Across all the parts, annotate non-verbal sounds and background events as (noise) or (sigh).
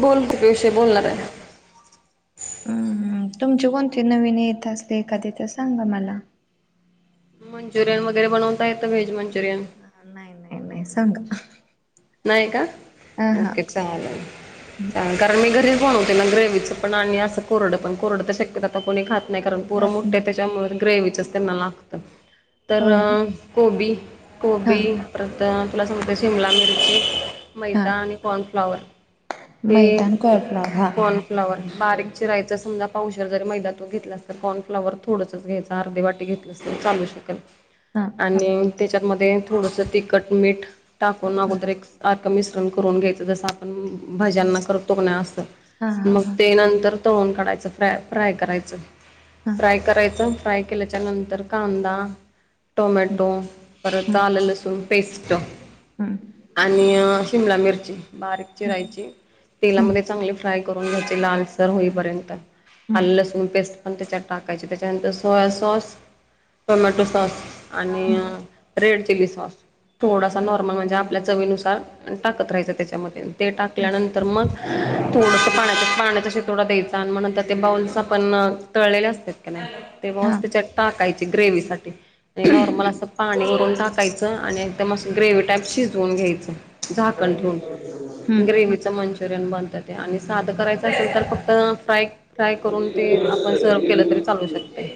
बोलते तो विषय बोलणार आहे. हम्म तुमची कोणती नवीन येत असले एखाद तर सांगा मला. मंचुरियन वगैर बनवता येत व्हेज मंचुरियन नाही नाही नाही सांगा नाही का हा हा ओके चाले हम्म, कारण मी घरीच बनवते ना ग्रेव्ही चं पण आणि असं कोरडं पण कोरड तर शक्यतो आता कोणी खात नाही कारण पोर खात मोठे आहे नाही त्याच्यामुळे ग्रेवीचच त्यांना लागत तर, होय गोबी ना. हा गोबी परत तुला सांगते शिमला मिर्ची हा मैदा आणि कॉर्नफ्लाॉवर हे मैदान कॉर्नफ्लॉवर हा फ्लाॉवर बारीक चिरायच समजा पाऊशर जर मैदा तू घेतला तर कॉनफ्लावर थोडंच घ्यायचा अर्धी वाटी घेतलं, चालू शकल हा आणि त्याच्यात मधे थोडस तिखट मीठ टाकून अगोदर एक मिश्रण करून घ्यायच जस आपण भज्यांना करतो अस हा हा मग हा ते नंतर तळूण काढायच फ्रय फ्राय करायचं हा फ्राय करायचं फ्राय केल्याच्या नंतर कांदा, टोमॅटो पर आल लसून पेस्ट हां! आणि शिमला मिरची बारीक हम्म चिरायची हम्म तेलामध्ये चांगले फ्राय करून घ्यायचे लालसर होईपर्यंत आल हम्म लसूण पेस्ट पण त्याच्यात टाकायचे त्याच्यानंतर सोया सॉस टोमॅटो सॉस, आणि हम्म रेड चिली सॉस थोडासा नॉर्मल म्हणजे आपल्या चवीनुसार टाकत राहायचं त्याच्यामध्ये ते हम्म. टाकल्यानंतर तर मग थोडस पाण्या पाण्याचा शेतोडा द्यायचा आणि म्हण ते बाउल्स आपण तळलेले असते, ते म हा त्यािच्या टाकायची ग्रेव साठी नॉर्मल असं, पाणी करून टाकायचं आणि एकदम असं ग्रेव टाईप शिजवून घ्यायचं, हम्! ग्रेवीचं मंचुरियन बनतात ते आणि साधं करायचं असेल तर फक्त फ्राय- फ्राय करून ते आपण सर्व केलं तरी चालू शकते.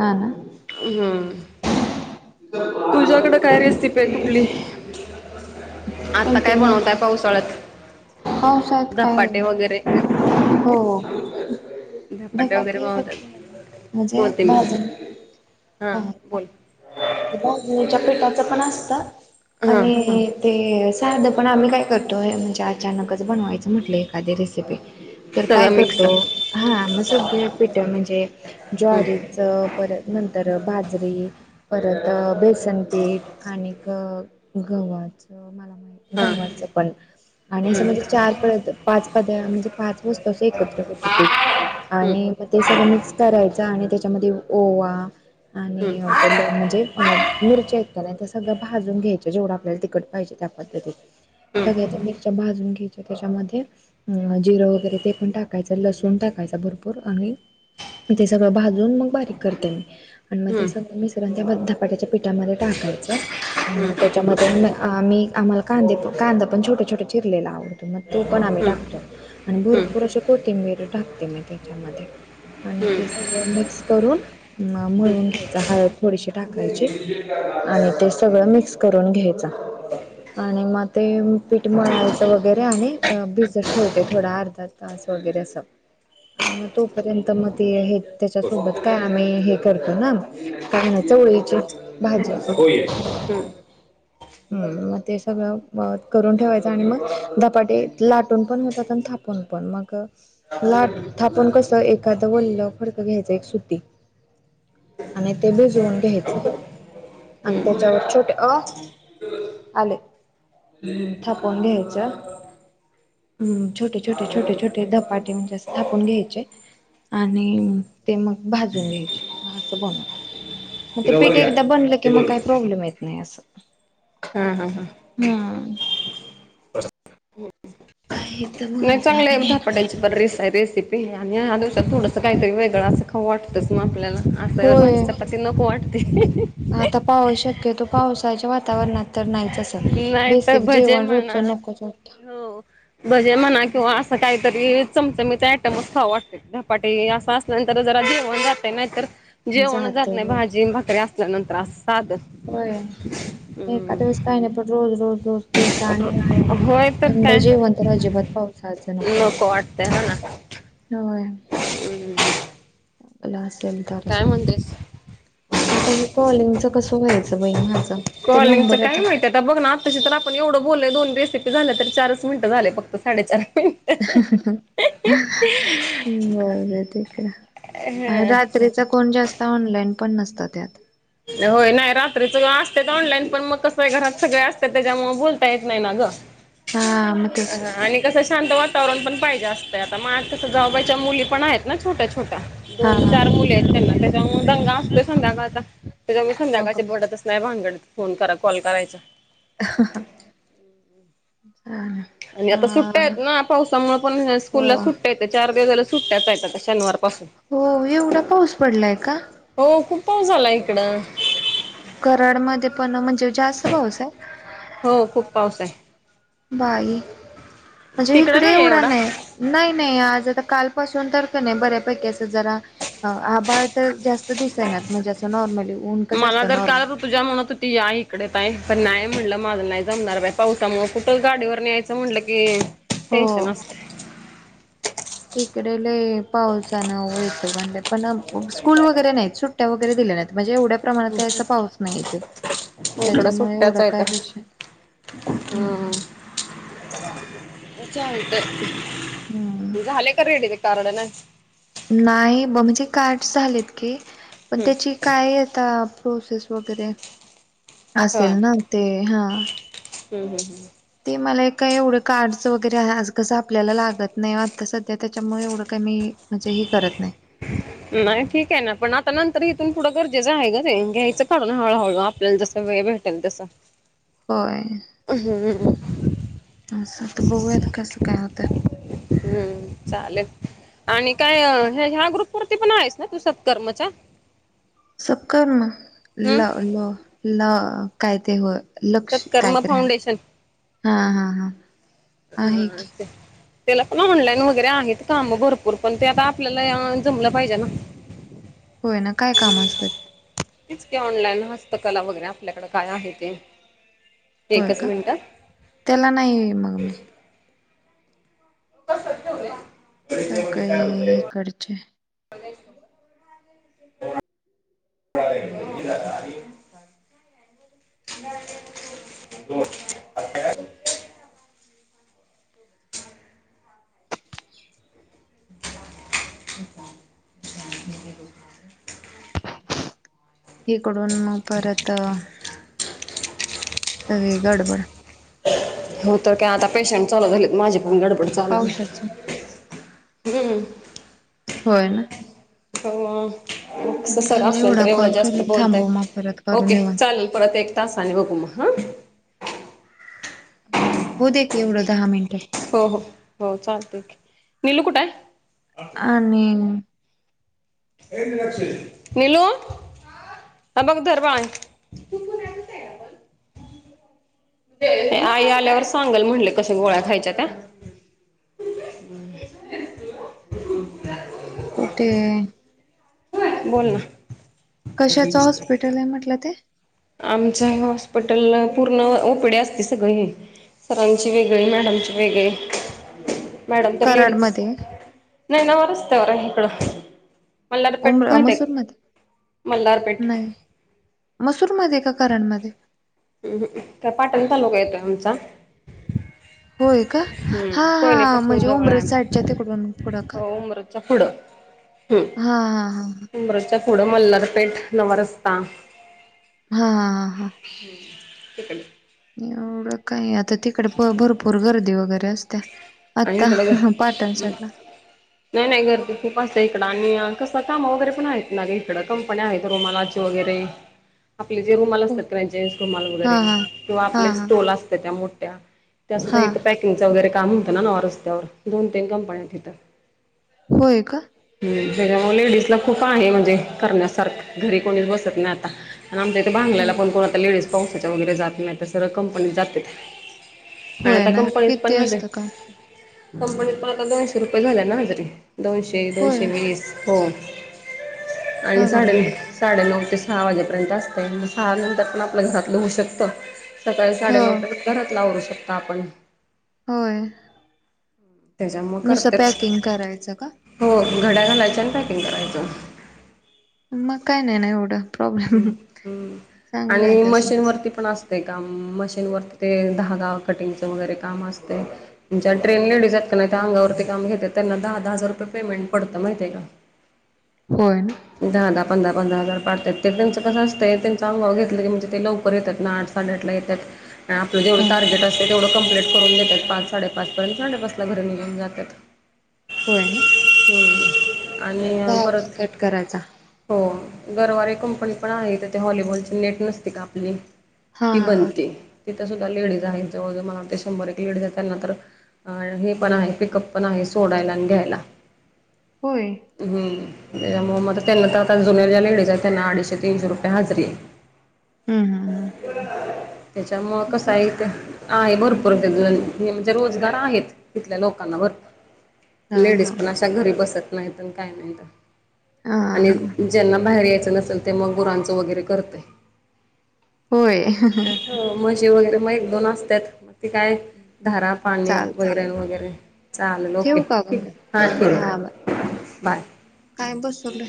हा ना! हम्म! तुझ्याकडें काय रेसिपी आहे कुठली? आता काय बनवताय पावसाळ्यात? पावसाळ्यात काय धपाटे वगैरे हो! धपाटे धपाट वगैरे एका बनवतात म्हणजे होते मी भाज हा बोल! भाजणीच्या पिठाच पण असत हा आणि, ते साधं पण आम्ही काय करतोय म्हणजे अचानकच बनवायचं, म्हटलं एखादी रेसिपी तर काय सगळं मिक्स करतो हा मस पिठ म्हणजे, हम्म ज्वारीच परत नंतर बाजरी परत बेस, वसनपीठ आणि गव्हाचं मला माहि हा गवाचं पण, आणि असं हम्म म्हणजे चार प पाच पद म्हणजे पाच वजत असं एकत्र होतुपीठ आणि हम्म मग ते सगळं मिक्स करायचं आणि त्याच्यामध्ये ओवा, आणि बल म्हणजे मिरची ऐक तस सगळं भाजून घ्यायच जेवढं आपल्याला तिकट पाहिजे त्या पद्धतीत हम्म हम्म सगळ्या त्या भाजून घ्यायच्या त्याच्यामध्ये अ जिरं वगैरे ते पण टाकायचं लसण टाकायच भरपूर आणि तेे सगळं भाजून मग बारीक करते मी आणि मग ते हम्म सगळं मिश्रण त्या धपाट्याच्या पिठामध्ये टाकायचं आणि हम्म त्याच्यामध्ये आम्ही आम्हाला कांदे कांदा पण छोटे छोटे चिरलेला आवडतो. मग तो पण आम्ही हम्म टाकतो आणि हम्म हम्म भरपूर अशी कोथिंबीर टाकते मी त्याच्यामध्ये आणि ते सगळं मिक्स करून मळुन घ्यायचं हळप (inaudible) (inaudible) गडीशी टाकायची आणि ते सगळं मिक्स करून घ्यायचं आणि मग ते पीठ मळायचं वगैरे आणि भिजत ठेवते थोडा अर्धा तास वगैरे असं (inaudible) आणि मग तोपर्यंत मग ते आहेत त्याच्यासोबत काय आम्ही हे करतो ना काय म्हणायचं चवळीचे (inaudible) होय आहे हम्. मग ते सगळं करून ठेवायचं. आणि मग धपाटे लाटून पण होतात. आन थाप पून पन. मग लाट - थापून कसं, एखाद वल्ल फडकं घ्यायच. एक सूती. आणि ते भिजवून घ्यायचं. आणि त्याच्यावर छोटे, अ आले. थापून घ्यायचं. हम्. छोटे, छोटे, छोटे, छोटे धपाटे म्हणजे असं थापून घ्यायचे. आणि ते मग भाजून घ्यायचे. असं बनवतो. मग, ते तिला वर पीठ घ्या एकदा बनलं ते की, मग बरोबर काही प्रॉब्लेम येत नाही असं. ह, ह ह. हम्म. आहेत. नाही चांगलंय, धापटायची बर. रेस - रेसिपी. आणि या दिवसात थोडंस, काहीतरी वेगळं असं खाव वाटतच मग आपल्याला. असं, भाजी होय -चपाती ते नको वाटतय. (unintelligible) आता पाऊस शक्यतो, पावसाच्या वातावरणात तर नाही. तसं. नाही तर बेसिक भजे जेवण रोजच म्हणा नको वाटतं. हो भजे म्हणा. किंवा असं काहीतरी, चमचमीचे आयटमच खाव वाटतंय. धपाटे हे असं असल्यानंतर, जरा जेवन जातंय. नाहीतर जेवणच जात नाही. भाजी न भाकरी असल्यानंतर असं. साधं. होय. एकाद वेळेस काही नाही, पण रोज - रोज, रोज तेच. आणि हम्म होय तर थंड काय जेवण तर अजिबात पावसायचं नको वाटतंय. त्या. हा, ना. होय. हम्म. (unintelligible) ला असेल तरच. म्हणतेस आता हे कॉलिंगच कस, व्हायचं बाई माझ? ते नंबर आता तशे तर आपण एवढं बोललोय. दोन रेसिपी झाल्या तर चारच मिनिटं झाले फक्त. साडे चार मिन (unintelligible) जाऊ दे तिकडं. रात्रीचा कोण जास्त, ऑनलाईन पण नसता त्यात. (inaudible) होय. नाही, रात्रीच असत ऑनलाईन पण मग कसंय, घरात सगळे असतात. त्याच्यामुळे बोलता येत नाही ना गं. हा मग (inaudible) तेच. ह. आणि कसं, शांत वातावरण पण पाहिजे असतं. आता मायत कसं, जावबायच्या मुली पण आहेत ना. छोट्या- छोट्या. हा दोन - हा. चार मुली आहेत त्यांना. त्याच्यामुळे दंगा असतोय, संध्याकाळचा. मी हो का संध्याकाळचे बाई. भडतच नाही, भानगडत. फोन करा, कॉल करायचा. (unintelligible) हा. आणि आता सुट्ट्यायत ना. पावसामुळे पण ह्या स्कूलला हो सुट्ट्या चार दिवस झालं सुट्याचायत आता. शनवार पाासून. हो, एवढा पाऊस पडलाय का? हो. खूप पाऊस झालाय, इकडं? कराडमध्ये पण, म्हणजे जास्त पाऊसाय. हो. खूप पाऊसाय. बाई. म्हणजे तिकडं इकडे नाहीये एवढा नाही. नाही- नाही. आज आता, कालपासून तर कनाही बऱ्यापैकीच असा जरा हा, आबाळ तर जास्त दिसेना. म्हणजे असं नॉर्मली ऊन कसं मला असतं तर नॉर्मल काल पूजा म्हणत होती, या इकडे ताई. पण नाही म्हणलं. माझं नाही जमणार बाय, पावसामुळ कुठं गाडीवर न्यायच च म्हणलं की, टेन्शन हो. असतय. इकडे लई, पावसानं वैताग आणलाय. पण स्कूल वगैरे नाहीत. सुट्ट सुट्टया वैगेरे दिल्या नाहीत. म्हणजे एवढ्या प्रमाणात काहीसा पाऊस नाही इथे त्याच्यामुळे एवढं काय विशेष हा. हम्म चालतंय झाले का रेडी कारण नाही. नाही मग जे कार्डस झालेत की पण हम्म. त्याची काय आता प्रोसेस वगैरे असेल हम्म ना ते हा. हम्म हम्म. ते मला काय एवढं कार्डस वगैरे आज कसं आपल्याला लागत नाही आता सध्या त्याच्यामुळे एवढं काही मी म्हणजे हे करत नाही. (inaudible) नाही ठीक आहे ना पण आता नंतर इथून पुढं गरजेचं आहे ग ते घ्यायचं काढून हळूहळू आपल्याला जस वेळ भेटेल. भेटेल तस. होय. हम्म. असं होतं बघुयात कसं काय होतं. हम्म चालेल. आणि काय ह्या ग्रुप वरती पण आहेस ना तू सत्कर्मच्या सत्कर्म हम्म. ल ल व काय ते होय. लक्ष सत्कर्म कायतर ते फाउंडेशन हा हा हा. आहे हा की ते त्याला पण ऑनलाईन वगैरे आहेत काम भरपूर पण ते आता आपल्याला जमलं पाहिजे ना. होय ना काय काम असतात. तेच की ऑनलाईन हस्तकला वगैरे आपल्याकड काय आहे ते होय एकच का मिनिटं. त्याला नाही मग मी कस ठेवलय सगळे इकडचे बघायच. (unintelligible) (inaudible) (inaudible) (unintelligible) इकडून मग परत सगळी गडबड हो तर काय आता पेशंट चालू झालेत माझी पण गडबड चालू होईल. पावसाच गेली. होय ना. हो अ कस सर झालं असलं एवढा तर एवढं कॉल जास्त करून थांबव मग बोलतयेत परत करू ओके निवांत चालेल. परत एक तासाने बघू मग ह. होऊ दे एवढं दहा मिनटं हो हो हो चालते की निलू कुठ आहे. (unintelligible) नीलू हे बघ धर बांध. आई आल्यावर सांगल म्हटले कशा गोळ्या खायच्या त्या कुठे बोल ना. कशाचं हॉस्पिटल आहे म्हटलं ते आमच्या हॉस्पिटल पूर्ण ओपिडी असती सगळेहे. सरांची वेगळे मॅडमची वेगळे. मॅडम तर लेडीज कराडमध्ये नाही नवा रस्त्यावर हाय इकडं. मल्हारपेठ उमर माहित आहे मसूरमध्ये मल्हारपेठ मसूर मध्ये का करडमध्ये हम्म का पाटण तालुका येतोय आमचा होय का हा हा कोयले पासून म्हणजे जवळ उमरस आहे साठच्या तिकडून पुड का? हो उमरच्या पुढं हा हम्म हा हा ह. उमरच्या पुढं मलारपेठ नवा रस्ता हा हा हा हा. हे कण. एवढं काही आता तिकडे भरपूर गर्दी वगैरे असत्या. आणि आता कड पाटण मग साईडला नाही नाही गरदी खूप असत इकडं आणि कसं काम वगैरे पण आहेत ना इकडं कंपनी आहेत रुमालाची वगैरे ह (inaudible) आपले जे रुमाल हो असतात क्रेचास रुमाल हां वगैरे हां. किंवा हां आपले हां स्टॉल असतात त्या मोठ्या त्यासुद्धा हां इथं पॅकिंगचं वगैरे काम होतं नाव रस्त्यावर दोन तीन कंपन्यात तिथं. होय का. हम् त्याच्यामुळे लेडीज ला खूप आहे म्हणजे करण्यासारख घरी कोणीच बसत नाही आता. आणि आमच्या इथे हो बांगल्याला पण कोणता लेडीज पांसाच्या वगैरे जात नाही तर सगळं कंपनी जाते. आणि होय आता ना कंपनीत पण किती हते असतं काम? कंपनीत पण आता दोनशे रुपये झाले ना हजरी दोनशे होय दोनशे वीस. हो आणि अगं झाड बाई नाही. साडेनऊ ते सहा वाजेपर्यंत असतें म सहा नंतर पण आपल्या घरातलं होऊ शकतं. सकाळी साडे हो नऊ ते घरातल आवरू शकतो आपण. होय. त्याच्यामुळे नुसतं करतेत पॅकिंग करायचं का? हो घड्या घालायच्या आणि पॅकिंग करायचं. मग काय ना एवढं. ह प्रॉब्लेम ह् चांगलं आहे आणि तसं मशीन वरती पण असत. ते काम मशीनवरती ते धागा कटिंगचं वगैरे काम असतेय. ज्या ट्रेन लेडीज आहेत का नाही त्या अंगावरती काम घेतात त्यांना दहा दहा हजार रुपये पेमेंट पडतं माहिती का. होय. दहा दहा पंधरा पंधरा हजार पाडतात ते त्यांच कसं असतं त्यांचा अनुभव घेतलं की म्हणजे ते लवकर येतात ना आठ सोडआठला येतात आपलं जेवढं हां टार्गेट अस तेवढं कंप्लीट करून देतात पाच साडेपाच पर्यंत साडेपाच ला घरी निघून जातात. होय ना. (unintelligible) होम्. धागा कट करायचा. हो गरवारे कंपनी पण आहे त्या ते ह्हॉलीबॉलची लेट नसते का आपली. हा ती हा हा बनते तिथं सुद्धा लेडीज आहेत जवळ जवळ मलाते शंभर एक लेडीज असेल ना तर अ हे पण आहे पिकअप पण आहे सोडायला आणि घ्यायला. होय. हम्म त्याच्यामुळे मदत त्यांना तर आता जुने ज्या लेडीज आहेत त्यां अडीचशे तीनशे रुपय हजरी आहे. हम् हम हम. त्याच्यामुळे कस आहे ईथ आहे भरपूर ते अजुन म्हणजे रोजगार आहेत तिथल्या लोकांना हा भरपूर लेडीज हा पण अशा घरी बसत नाहीत काय नाहीत. हा आणि हा ज्यांना बाहेर यायचं नसेल ते मग गुरांचं वगैरे करतय. होय. (unintelligible) हो मग जेवण वगैरे मग एक दोन वाजत्यांत ते काय धारा पाणी चालत वगैरे वगैरे चालले की ठेवू का ग ठीक आहे हां हा ब ठिक बाय. काय बसवलं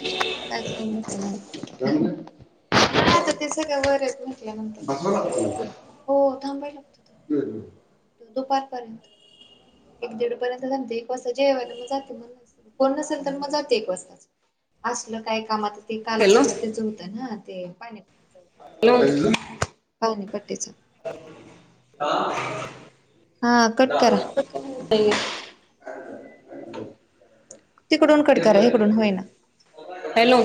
काय करलं (unintelligible) आता ते सगळ वरंल्यानंतर (unintelligible) हो थांबाय लागत दुपारपर्यंत एक दीड पर्यंत जमते एक वाजता जेवायला मग जाते म कोण नसेल तर मग जाते (unintelligible) असल काय कामात ते काल हॅलो परवा तेच होतं ना ते पाणीपच हॅलो वगर (unintelligible) पाऊ नाही (unintelligible) पट्टेच (unintelligible) हा कटकरा आहे (unintelligible) तिकडून कटकरा इिकडून होईना. हॅलो.